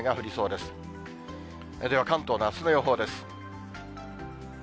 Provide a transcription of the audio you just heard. では、関東のあすの予報です。